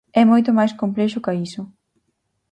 É moito máis complexo ca iso.